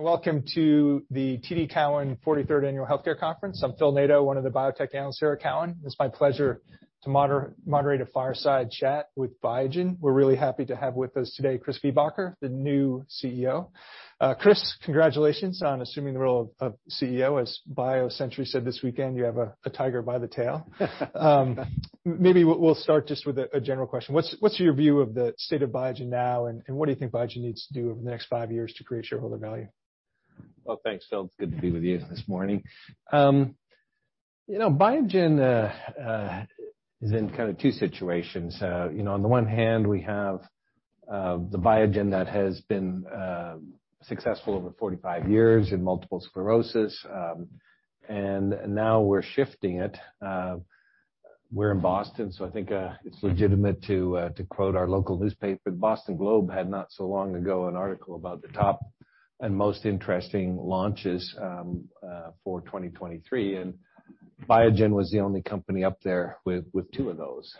Welcome to the TD Cowen 43rd Annual Healthcare Conference. I'm Phil Nadeau, one of the biotech analysts here at Cowen. It's my pleasure to moderate a fireside chat with Biogen. We're really happy to have with us today Chris Viehbacher, the new CEO. Chris, congratulations on assuming the role of CEO. As BioCentury said this weekend, you have a tiger by the tail. Maybe we'll start just with a general question. What's, what's your view of the state of Biogen now, and what do you think Biogen needs to do over the next five years to create shareholder value? Thanks, Phil. It's good to be with you this morning. You know, Biogen is in kind of two situations. You know, on the one hand, we have the Biogen that has been successful over 45 years in multiple sclerosis, and now we're shifting it. We're in Boston, so I think it's legitimate to quote our local newspaper. The Boston Globe had not so long ago an article about the top and most interesting launches for 2023, and Biogen was the only company up there with two of those.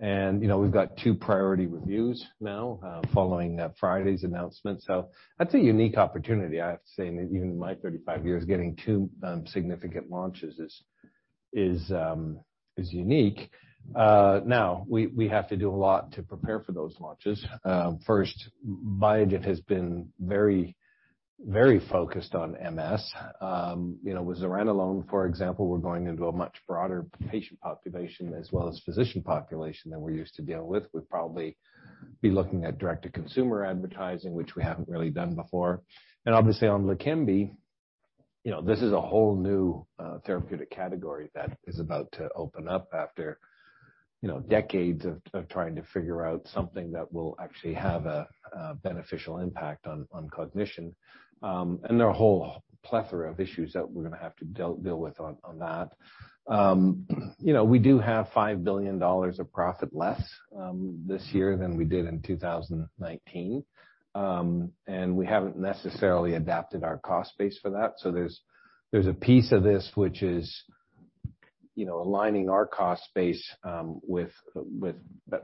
You know, we've got two priority reviews now following Friday's announcement, so that's a unique opportunity. I have to say, in even my 35 years, getting two significant launches is unique. Now we have to do a lot to prepare for those launches. First, Biogen has been very, very focused on MS. You know, with zuranolone, for example, we're going into a much broader patient population as well as physician population than we're used to dealing with. We'll probably be looking at direct-to-consumer advertising, which we haven't really done before. Obviously on LEQEMBI, you know, this is a whole new therapeutic category that is about to open up after, you know, decades of trying to figure out something that will actually have a beneficial impact on cognition. There are a whole plethora of issues that we're gonna have to deal with on that. You know, we do have $5 billion of profit less, this year than we did in 2019, and we haven't necessarily adapted our cost base for that. There's a piece of this which is, you know, aligning our cost base, with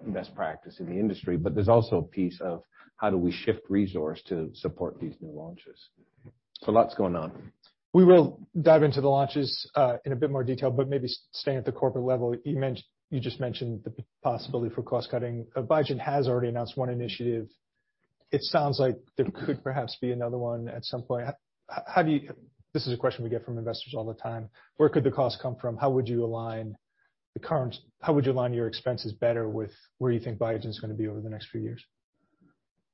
best practice in the industry, but there's also a piece of how do we shift resource to support these new launches. Lots going on. We will dive into the launches, in a bit more detail, but maybe staying at the corporate level. You just mentioned the possibility for cost cutting. Biogen has already announced one initiative. It sounds like there could perhaps be another one at some point. This is a question we get from investors all the time. Where could the cost come from? How would you align your expenses better with where you think Biogen's gonna be over the next few years?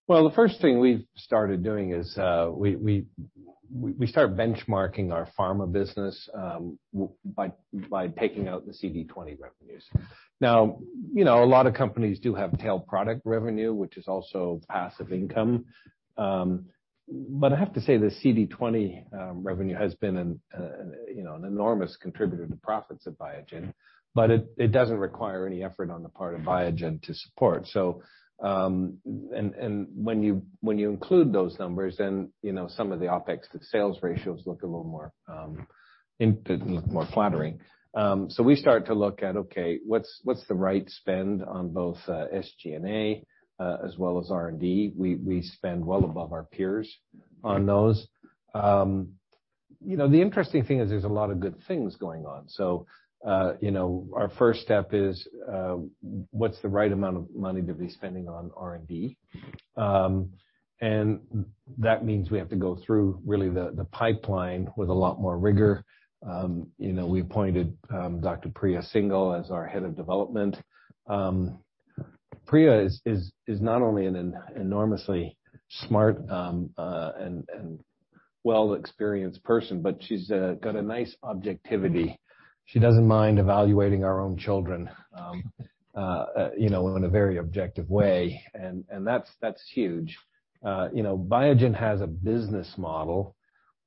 The first thing we've started doing is we start benchmarking our pharma business by taking out the CD20 revenues. You know, a lot of companies do have tail product revenue, which is also passive income. I have to say, the CD20 revenue has been an enormous contributor to profits at Biogen, but it doesn't require any effort on the part of Biogen to support. And when you include those numbers, you know, some of the OPEX to sales ratios look a little more look more flattering. We start to look at, okay, what's the right spend on both SG&A as well as R&D? We spend well above our peers on those. You know, the interesting thing is there's a lot of good things going on. You know, our first step is, what's the right amount of money to be spending on R&D? That means we have to go through really the pipeline with a lot more rigor. You know, we appointed Dr. Priya Singhal as our head of development. Priya is not only an enormously smart, and well experienced person, but she's got a nice objectivity. She doesn't mind evaluating our own children, you know, in a very objective way, and that's huge. You know, Biogen has a business model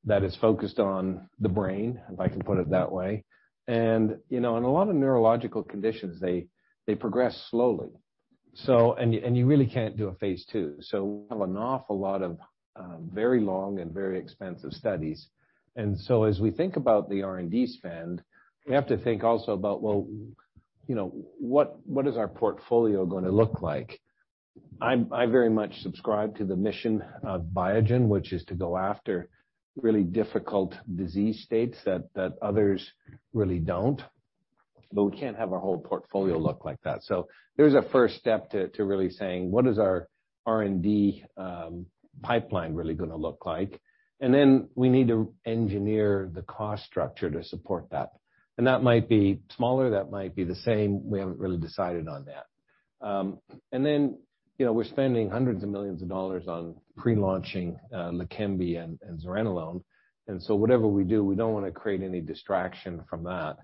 that is focused on the brain, if I can put it that way. You know, in a lot of neurological conditions, they progress slowly. And you really can't do a phase II. We have an awful lot of very long and very expensive studies. As we think about the R&D spend, we have to think also about, well, you know, what is our portfolio gonna look like? I very much subscribe to the mission of Biogen, which is to go after really difficult disease states that others really don't. We can't have our whole portfolio look like that. There's a first step to really saying, "What is our R&D pipeline really gonna look like?" Then we need to engineer the cost structure to support that. That might be smaller, that might be the same. We haven't really decided on that. you know, we're spending $hundreds of millions on pre-launching LEQEMBI and zuranolone, whatever we do, we don't wanna create any distraction from that.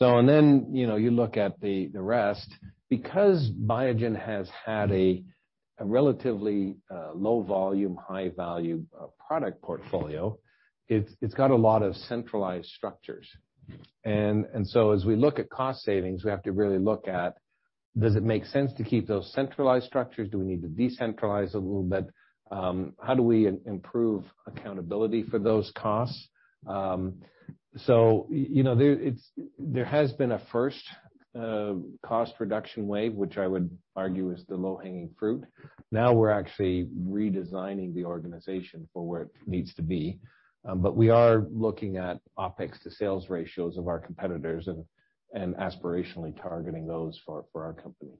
you know, you look at the rest. Because Biogen has had a relatively low volume, high value product portfolio, it's got a lot of centralized structures. As we look at cost savings, we have to really look at, does it make sense to keep those centralized structures? Do we need to decentralize a little bit? How do we improve accountability for those costs? you know, there has been a first cost reduction wave, which I would argue is the low-hanging fruit. Now we're actually redesigning the organization for where it needs to be. We are looking at OPEX to sales ratios of our competitors and aspirationally targeting those for our company.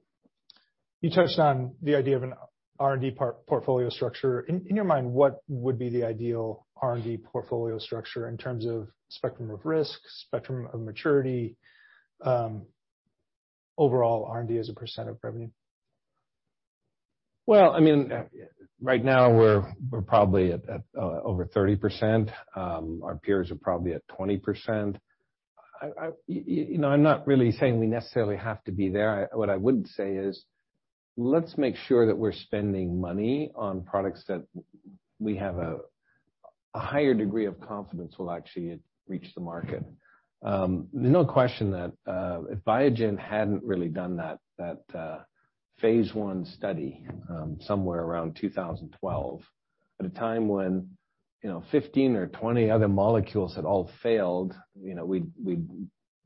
You touched on the idea of an R&D portfolio structure. In your mind, what would be the ideal R&D portfolio structure in terms of spectrum of risk, spectrum of maturity, overall R&D as a % of revenue? Well, I mean, right now we're probably at over 30%. Our peers are probably at 20%. You know, I'm not really saying we necessarily have to be there. What I would say is, let's make sure that we're spending money on products that we have a higher degree of confidence will actually reach the market. There's no question that if Biogen hadn't really done that phase II study somewhere around 2012, at a time when, you know, 15 or 20 other molecules had all failed, you know.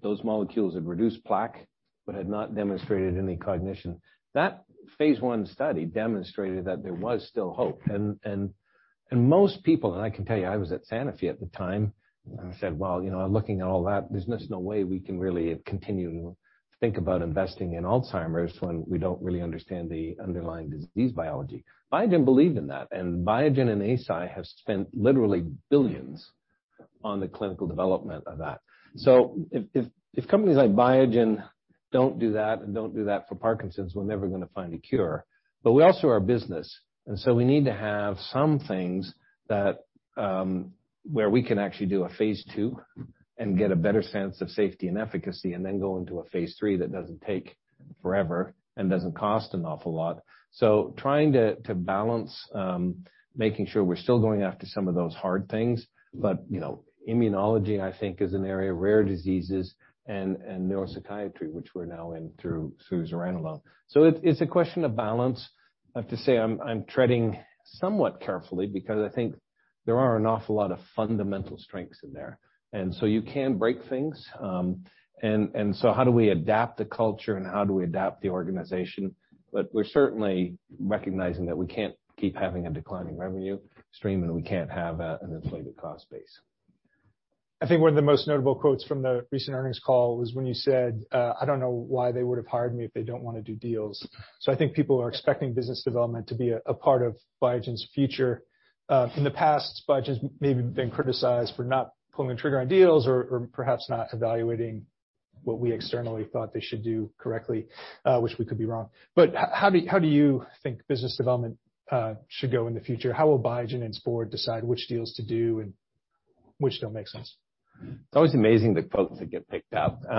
Those molecules had reduced plaque, but had not demonstrated any cognition. That phase 1 study demonstrated that there was still hope. Most people, I can tell you, I was at Sanofi at the time, I said, "Well, you know, looking at all that, there's just no way we can really continue to think about investing in Alzheimer's when we don't really understand the underlying disease biology." Biogen believed in that, Biogen and Eisai have spent literally billions dollars on the clinical development of that. If companies like Biogen don't do that, and don't do that for Parkinson's, we're never gonna find a cure. We also are a business, and so we need to have some things that where we can actually do a phase II and get a better sense of safety and efficacy, and then go into a phase III that doesn't take forever and doesn't cost an awful lot. Trying to balance, making sure we're still going after some of those hard things. You know, immunology, I think is an area, rare diseases and neuropsychiatry, which we're now in through zuranolone. It's a question of balance. I have to say I'm treading somewhat carefully because I think there are an awful lot of fundamental strengths in there. You can break things. How do we adapt the culture and how do we adapt the organization? We're certainly recognizing that we can't keep having a declining revenue stream, and we can't have an inflated cost base. I think one of the most notable quotes from the recent earnings call was when you said, "I don't know why they would have hired me if they don't wanna do deals." I think people are expecting business development to be a part of Biogen's future. In the past, Biogen's maybe been criticized for not pulling the trigger on deals or perhaps not evaluating what we externally thought they should do correctly, which we could be wrong. How do you think business development should go in the future? How will Biogen and its board decide which deals to do and which don't make sense? It's always amazing the quotes that get picked up. They...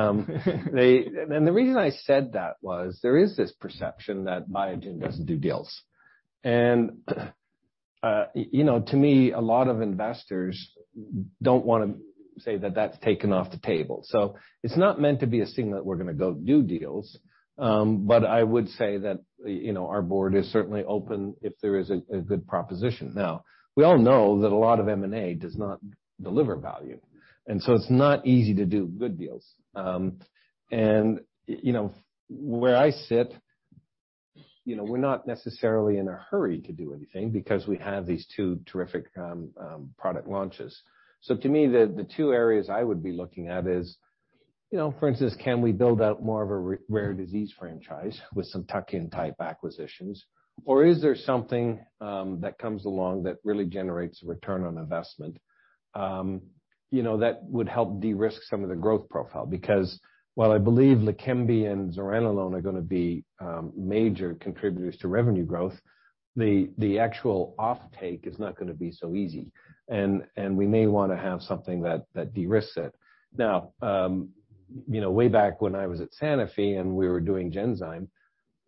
The reason I said that was there is this perception that Biogen doesn't do deals. You know, to me, a lot of investors don't wanna say that that's taken off the table. It's not meant to be a signal that we're gonna go do deals. I would say that, you know, our board is certainly open if there is a good proposition. Now, we all know that a lot of M&A does not deliver value, it's not easy to do good deals. You know, where I sit, you know, we're not necessarily in a hurry to do anything because we have these two terrific product launches. To me, the two areas I would be looking at is, you know, for instance, can we build out more of a rare disease franchise with some tuck-in type acquisitions? Is there something that comes along that really generates return on investment, you know, that would help de-risk some of the growth profile? While I believe LEQEMBI and zuranolone are gonna be major contributors to revenue growth, the actual offtake is not gonna be so easy. We may wanna have something that de-risks it. Now, you know, way back when I was at Sanofi and we were doing Genzyme,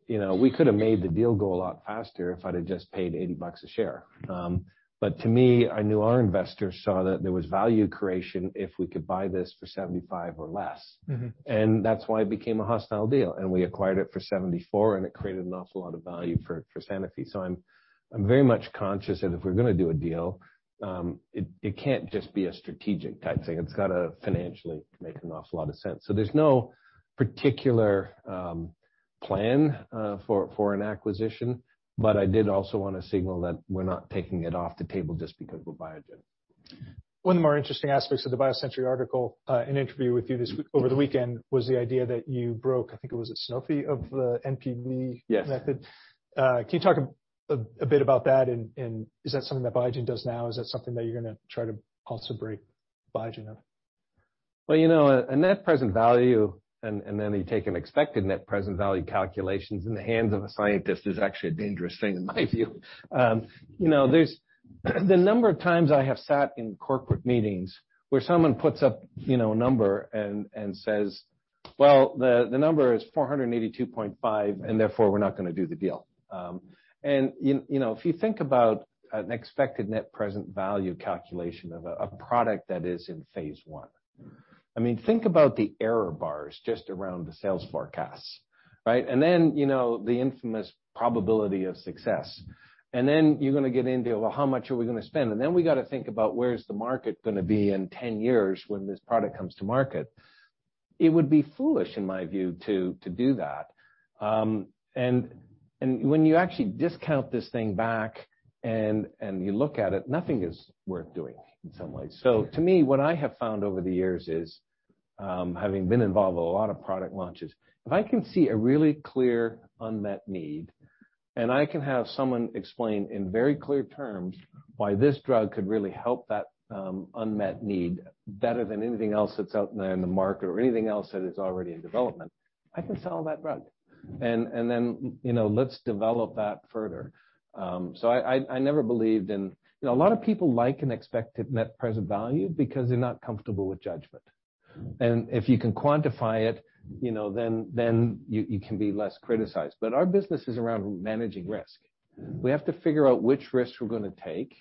you know, we could have made the deal go a lot faster if I'd have just paid $80 a share. To me, I knew our investors saw that there was value creation if we could buy this for $75 or less. That's why it became a hostile deal, and we acquired it for $74, and it created an awful lot of value for Sanofi. I'm very much conscious that if we're gonna do a deal, it can't just be a strategic type thing. It's gotta financially make an awful lot of sense. There's no particular plan for an acquisition, but I did also wanna signal that we're not taking it off the table just because we're Biogen. One of the more interesting aspects of the BioCentury article, an interview with you over the weekend, was the idea that you broke, I think it was at Sanofi, of the NPV method. can you talk a bit about that and is that something that Biogen does now? Is that something that you're gonna try to also break Biogen of? Well, you know, a net present value, and then you take an expected net present value calculations in the hands of a scientist is actually a dangerous thing in my view. you know, there's. The number of times I have sat in corporate meetings where someone puts up, you know, a number and says, "Well, the number is 482.5, and therefore we're not gonna do the deal." you know, if you think about an expected net present value calculation of a product that is in phase II, I mean, think about the error bars just around the sales forecasts, right? you know, the infamous probability of success. you're gonna get into, well, how much are we gonna spend? Then we got to think about where's the market gonna be in 10 years when this product comes to market. It would be foolish, in my view, to do that. When you actually discount this thing back and you look at it, nothing is worth doing in some ways. To me, what I have found over the years is, having been involved with a lot of product launches, if I can see a really clear unmet need and I can have someone explain in very clear terms why this drug could really help that unmet need better than anything else that's out there in the market or anything else that is already in development, I can sell that drug. Then, you know, let's develop that further. I never believed in. You know, a lot of people like an expected net present value because they're not comfortable with judgment. If you can quantify it, you know, then you can be less criticized. Our business is around managing risk. We have to figure out which risks we're gonna take,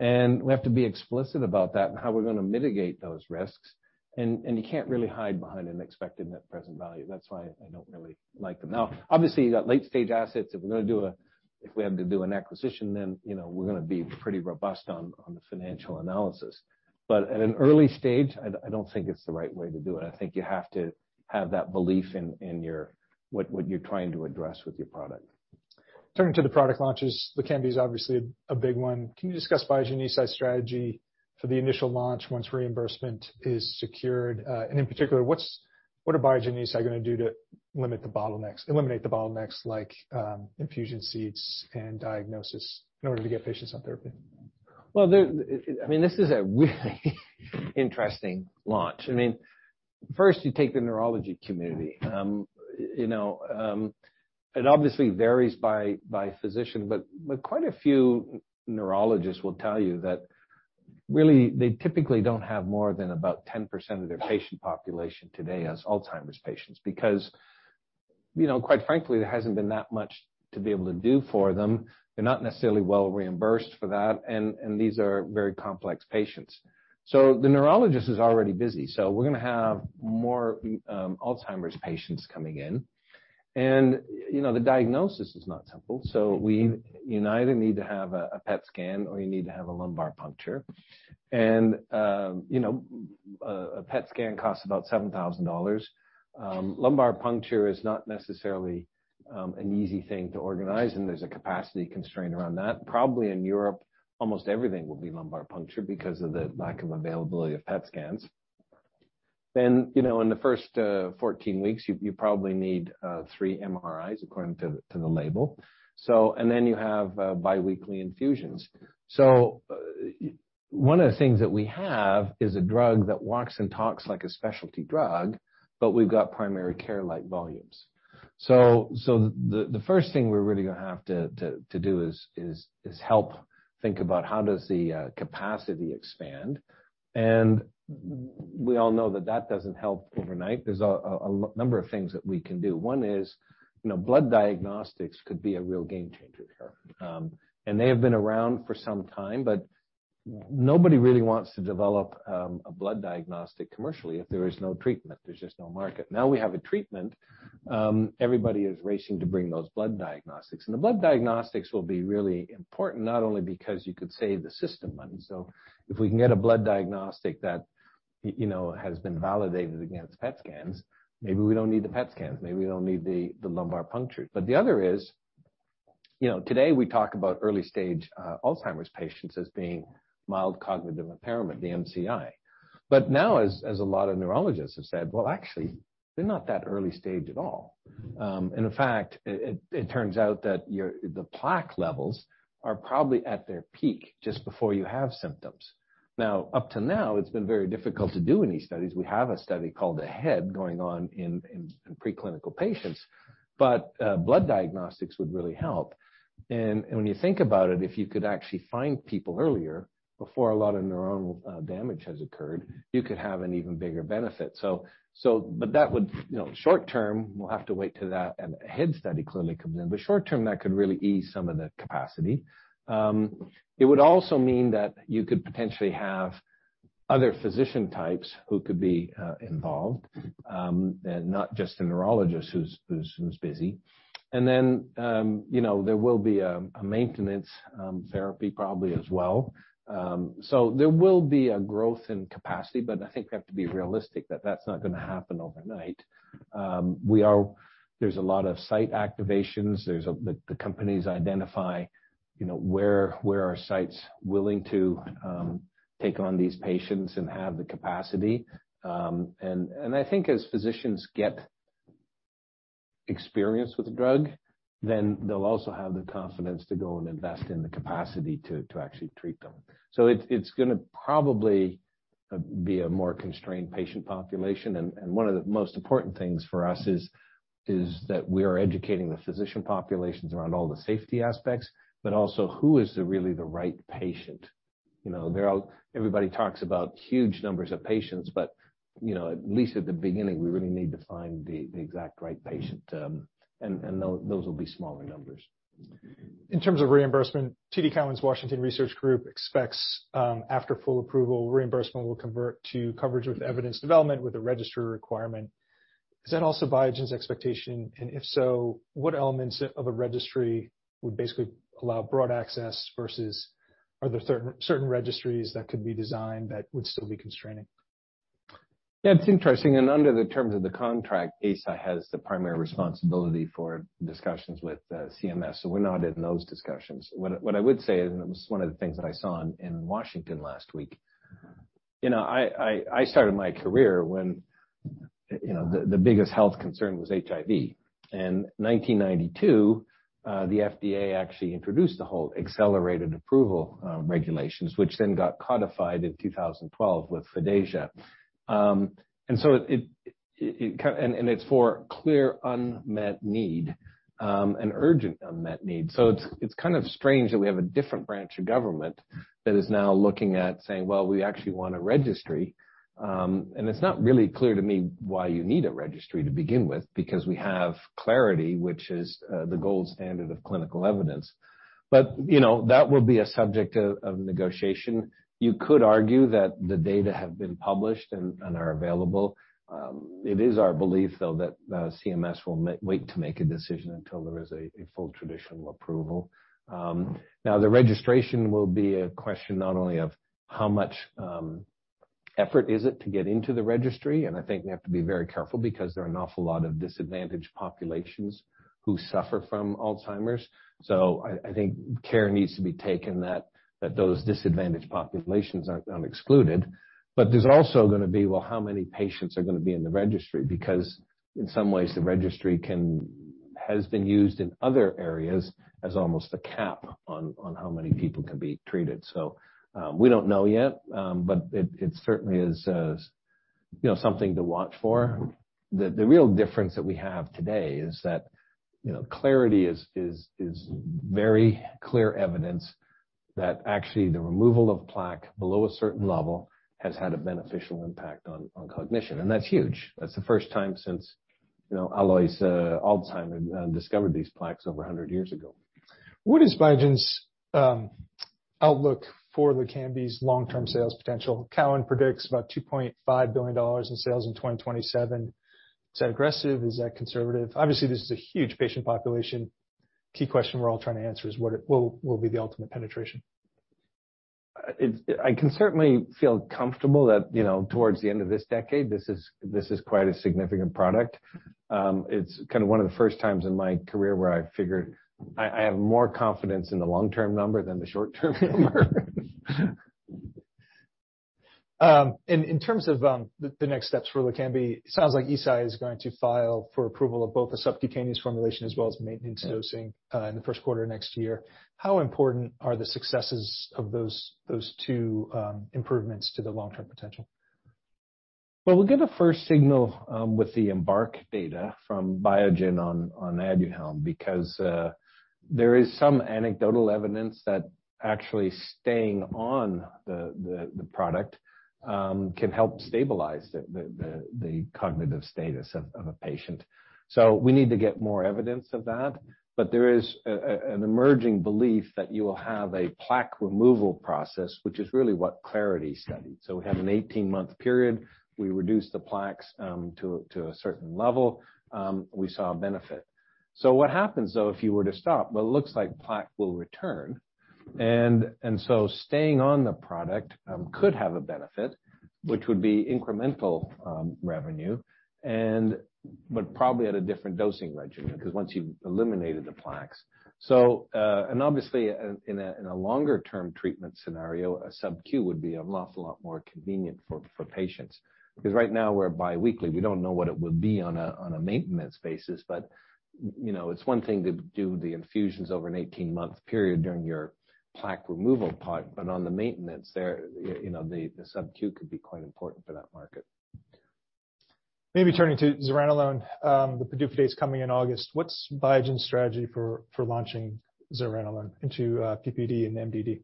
and we have to be explicit about that and how we're gonna mitigate those risks. You can't really hide behind an expected net present value. That's why I don't really like them. Obviously, you got late-stage assets. If we're gonna do if we had to do an acquisition, then, you know, we're gonna be pretty robust on the financial analysis. At an early stage, I don't think it's the right way to do it. I think you have to have that belief in your, what you're trying to address with your product. Turning to the product launches, LEQEMBI is obviously a big one. Can you discuss Biogen Eisai's strategy for the initial launch once reimbursement is secured? In particular, what are Biogen Eisai gonna do to eliminate the bottlenecks like infusion seats and diagnosis in order to get patients on therapy? Well, I mean, this is a really interesting launch. I mean, first you take the neurology community. You know, it obviously varies by physician, but quite a few neurologists will tell you that really, they typically don't have more than about 10% of their patient population today as Alzheimer's patients because, you know, quite frankly, there hasn't been that much to be able to do for them. They're not necessarily well reimbursed for that, and these are very complex patients. The neurologist is already busy, so we're gonna have more Alzheimer's patients coming in. You know, the diagnosis is not simple. We either need to have a PET scan or you need to have a lumbar puncture. You know, a PET scan costs about $7,000. Lumbar puncture is not necessarily an easy thing to organize, and there's a capacity constraint around that. Probably in Europe, almost everything will be lumbar puncture because of the lack of availability of PET scans. You know, in the first 14 weeks, you probably need three MRIs according to the label. You have biweekly infusions. One of the things that we have is a drug that walks and talks like a specialty drug, but we've got primary care-like volumes. The first thing we're really gonna have to do is help think about how does the capacity expand. We all know that that doesn't help overnight. There's a number of things that we can do. One is, you know, blood diagnostics could be a real game changer here. They have been around for some time, but nobody really wants to develop a blood diagnostic commercially if there is no treatment. There's just no market. Now we have a treatment, everybody is racing to bring those blood diagnostics. The blood diagnostics will be really important not only because you could save the system money. If we can get a blood diagnostic that you know, has been validated against PET scans, maybe we don't need the PET scans, maybe we don't need the lumbar puncture. The other is, you know, today we talk about early stage, Alzheimer's patients as being mild cognitive impairment, the MCI. Now, as a lot of neurologists have said, well, actually, they're not that early stage at all. In fact, it turns out that the plaque levels are probably at their peak just before you have symptoms. Now, up to now, it's been very difficult to do any studies. We have a study called AHEAD going on in preclinical patients, but blood diagnostics would really help. When you think about it, if you could actually find people earlier before a lot of neuronal damage has occurred, you could have an even bigger benefit. That would, you know, short term, we'll have to wait 'til that AHEAD study clearly comes in. Short term, that could really ease some of the capacity. It would also mean that you could potentially have other physician types who could be involved, not just a neurologist who's busy. You know, there will be a maintenance therapy probably as well. There will be a growth in capacity, but I think we have to be realistic that that's not gonna happen overnight. There's a lot of site activations. The companies identify, you know, where are sites willing to take on these patients and have the capacity. I think as physicians get experience with the drug, then they'll also have the confidence to go and invest in the capacity to actually treat them. It's gonna probably be a more constrained patient population. One of the most important things for us is that we are educating the physician populations around all the safety aspects, but also who is the really the right patient. You know, they're everybody talks about huge numbers of patients but, you know, at least at the beginning, we really need to find the exact right patient, and those will be smaller numbers. In terms of reimbursement, TD Cowen's Washington Research Group expects, after full approval, reimbursement will convert to Coverage with Evidence Development with a registry requirement. Is that also Biogen's expectation? If so, what elements of a registry would basically allow broad access versus are there certain registries that could be designed that would still be constraining? Yeah, it's interesting. Under the terms of the contract, Eisai has the primary responsibility for discussions with CMS, so we're not in those discussions. What I would say, and it was one of the things that I saw in Washington last week, you know, I started my career when, you know, the biggest health concern was HIV. 1992, the FDA actually introduced the whole accelerated approval regulations, which then got codified in 2012 with FDASIA. So and it's for clear unmet need, and urgent unmet need. It's kind of strange that we have a different branch of government that is now looking at saying, "Well, we actually want a registry." And it's not really clear to me why you need a registry to begin with, because we have Clarity, which is the gold standard of clinical evidence. You know, that will be a subject of negotiation. You could argue that the data have been published and are available. It is our belief, though, that CMS will wait to make a decision until there is a full traditional approval. The registration will be a question not only of how much effort is it to get into the registry, and I think we have to be very careful because there are an awful lot of disadvantaged populations who suffer from Alzheimer's. I think care needs to be taken that those disadvantaged populations aren't excluded. There's also gonna be, well, how many patients are gonna be in the registry? In some ways, the registry has been used in other areas as almost a cap on how many people can be treated. We don't know yet, but it certainly is, you know, something to watch for. The real difference that we have today is that, you know, Clarity AD is very clear evidence that actually the removal of plaque below a certain level has had a beneficial impact on cognition, and that's huge. That's the first time since, you know, Alois Alzheimer discovered these plaques over 100 years ago. What is Biogen's outlook for LEQEMBI's long-term sales potential? Cowen predicts about $2.5 billion in sales in 2027. Is that aggressive? Is that conservative? Obviously, this is a huge patient population. Key question we're all trying to answer is what it will be the ultimate penetration. I can certainly feel comfortable that, you know, towards the end of this decade, this is quite a significant product. It's kinda one of the first times in my career where I figured I have more confidence in the long-term number than the short-term number. In terms of the next steps for LEQEMBI, sounds like Eisai is going to file for approval of both the subcutaneous formulation as well as maintenance dosing in the first quarter of next year. How important are the successes of those two improvements to the long-term potential? Well, we'll get a first signal with the EMBARK data from Biogen on Aduhelm because there is some anecdotal evidence that actually staying on the product can help stabilize the cognitive status of a patient. We need to get more evidence of that. There is an emerging belief that you will have a plaque removal process, which is really what Clarity studied. We have an 18-month period. We reduce the plaques to a certain level. We saw a benefit. What happens though, if you were to stop? Well, it looks like plaque will return. Staying on the product could have a benefit, which would be incremental revenue but probably at a different dosing regimen, 'cause once you've eliminated the plaques. Obviously in a longer-term treatment scenario, a subQ would be an awful lot more convenient for patients, because right now we're bi-weekly. We don't know what it would be on a maintenance basis. You know, it's one thing to do the infusions over an 18-month period during your plaque removal part, on the maintenance there, you know, the subQ could be quite important for that market. Turning to zuranolone, the PDUFA date's coming in August. What's Biogen's strategy for launching zuranolone into PPD and MDD?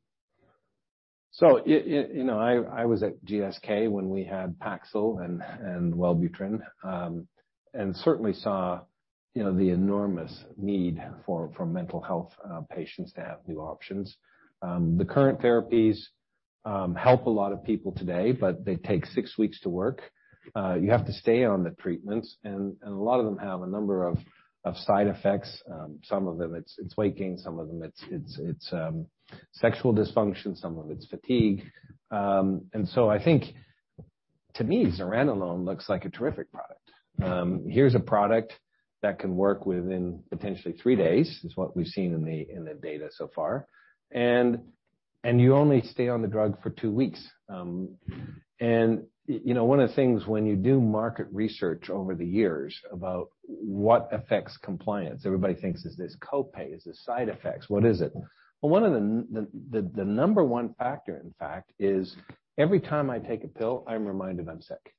You know, I was at GSK when we had Paxil and Wellbutrin, and certainly saw, you know, the enormous need for mental health patients to have new options. The current therapies help a lot of people today, but they take six weeks to work. You have to stay on the treatments, and a lot of them have a number of side effects. Some of them it's weight gain, some of them it's sexual dysfunction, some of it's fatigue. I think to me, zuranolone looks like a terrific product. Here's a product that can work within potentially three days, is what we've seen in the data so far. You only stay on the drug for two weeks. You know, one of the things when you do market research over the years about what affects compliance, everybody thinks is this copay? Is it side effects? What is it? Well, one of the number one factor, in fact, is every time I take a pill, I'm reminded I'm sick.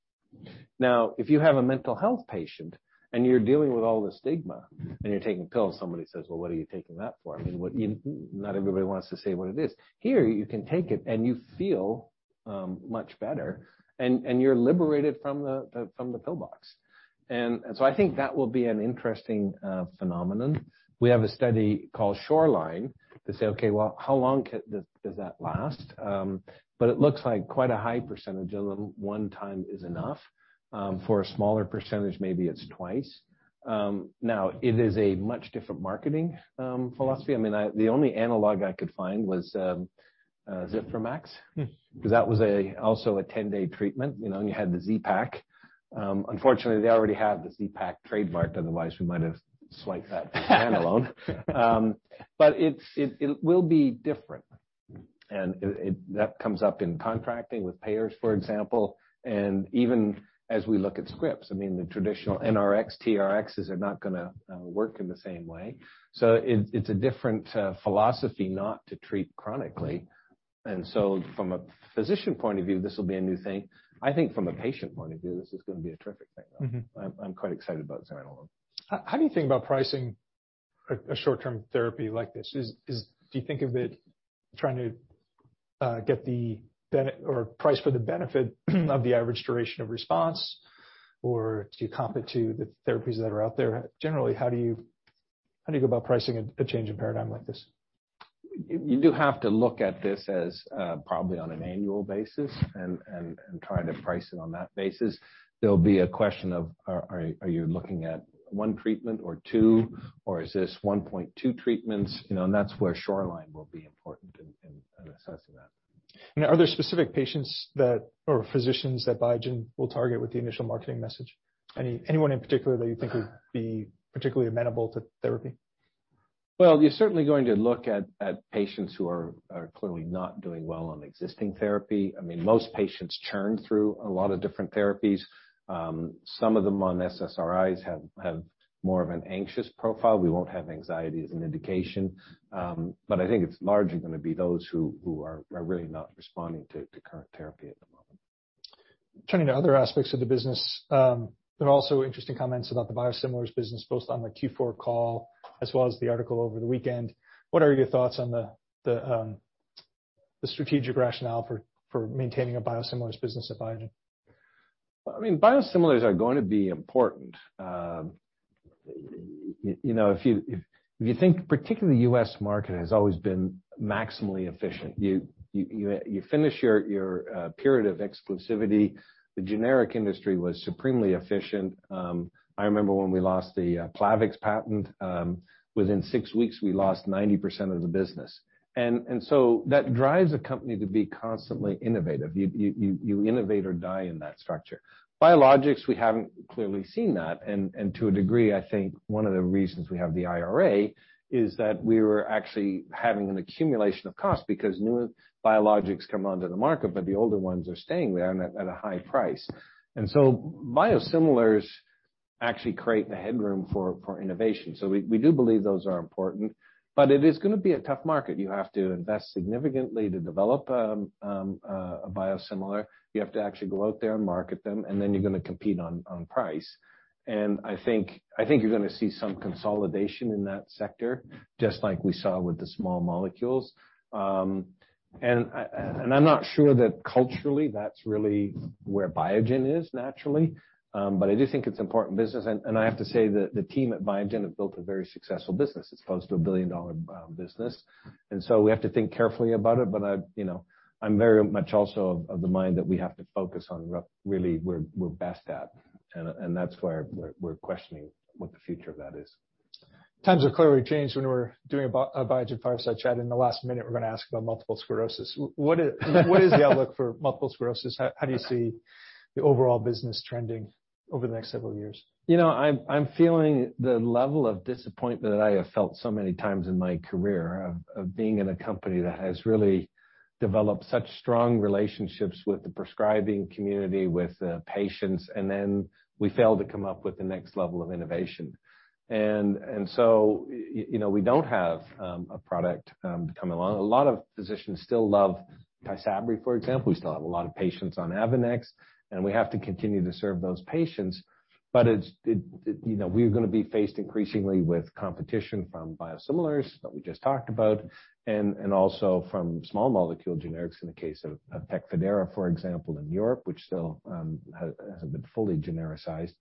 Now, if you have a mental health patient and you're dealing with all the stigma and you're taking pills, somebody says, "Well, what are you taking that for?" I mean, not everybody wants to say what it is. Here, you can take it and you feel much better. You're liberated from the, from the pill box. I think that will be an interesting phenomenon. We have a study called SHORELINE to say, "Okay, well, how long does that last?" It looks like quite a high percentage of them, one time is enough. For a smaller percentage, maybe it's twice. It is a much different marketing philosophy. I mean, the only analog I could find was Zithromax. 'Cause that was also a 10-day treatment. You know, you had the Z-Pak. Unfortunately, they already have the Z-Pak trademarked. Otherwise, we might have swiped that as an analog. It will be different. That comes up in contracting with payers, for example. Even as we look at scripts, I mean, the traditional NRX, TRXs are not gonna work in the same way. It's a different philosophy not to treat chronically. From a physician point of view, this will be a new thing. I think from a patient point of view, this is gonna be a terrific thing. I'm quite excited about zurlone. How do you think about pricing a short-term therapy like this? Do you think of it trying to get the or price for the benefit of the average duration of response? Or do you comp it to the therapies that are out there? Generally, how do you go about pricing a change in paradigm like this? You do have to look at this as probably on an annual basis and try to price it on that basis. There'll be a question of are you looking at one treatment or two, or is this 1.2 treatments, you know? That's where SHORELINE will be important in assessing that. Are there specific patients or physicians that Biogen will target with the initial marketing message? Anyone in particular that you think would be particularly amenable to therapy? Well, you're certainly going to look at patients who are clearly not doing well on existing therapy. I mean, most patients churn through a lot of different therapies. Some of them on SSRIs have more of an anxious profile. We won't have anxiety as an indication. I think it's largely gonna be those who are really not responding to current therapy at the moment. Turning to other aspects of the business. There are also interesting comments about the biosimilars business, both on the Q4 call as well as the article over the weekend. What are your thoughts on the strategic rationale for maintaining a biosimilars business at Biogen? I mean, biosimilars are going to be important. you know, if you think particularly the U.S. market has always been maximally efficient. You finish your period of exclusivity. The generic industry was supremely efficient. I remember when we lost the Plavix patent, within six weeks we lost 90% of the business. So that drives a company to be constantly innovative. You innovate or die in that structure. Biologics, we haven't clearly seen that. To a degree, I think one of the reasons we have the IRA is that we were actually having an accumulation of cost because new biologics come onto the market, but the older ones are staying there at a high price. So biosimilars actually create the headroom for innovation. We do believe those are important, but it is gonna be a tough market. You have to invest significantly to develop a biosimilar. You have to actually go out there and market them, and then you're gonna compete on price. I think you're gonna see some consolidation in that sector, just like we saw with the small molecules. I'm not sure that culturally that's really where Biogen is naturally. I do think it's important business. I have to say that the team at Biogen have built a very successful business. It's close to a billion-dollar business. We have to think carefully about it. I, you know, I'm very much also of the mind that we have to focus on what really we're best at. That's why we're questioning what the future of that is. Times have clearly changed when we're doing a Biogen fireside chat. In the last minute, we're gonna ask about multiple sclerosis. What is the outlook for multiple sclerosis? How do you see the overall business trending over the next several years? You know, I'm feeling the level of disappointment that I have felt so many times in my career of being in a company that has really developed such strong relationships with the prescribing community, with the patients, and then we fail to come up with the next level of innovation. You know, we don't have a product to come along. A lot of physicians still love Tysabri, for example. We still have a lot of patients on Avonex, and we have to continue to serve those patients. It's, you know, we're gonna be faced increasingly with competition from biosimilars that we just talked about, and also from small molecule generics in the case of Tecfidera, for example, in Europe, which still hasn't been fully genericized.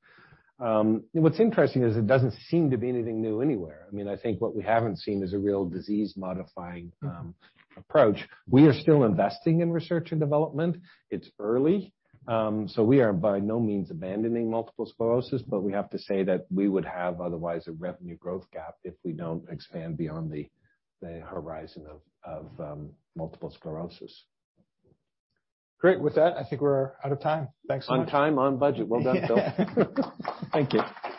What's interesting is it doesn't seem to be anything new anywhere. I mean, I think what we haven't seen is a real disease-modifying approach. We are still investing in research and development. It's early. We are by no means abandoning multiple sclerosis, but we have to say that we would have otherwise a revenue growth gap if we don't expand beyond the horizon of multiple sclerosis. Great. With that, I think we're out of time. Thanks so much. On time, on budget. Well done, Phil. Thank you.